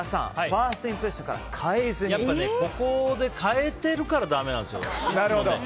ファーストインプレッションからやっぱね、ここで変えてるからだめなんですよ、いつも。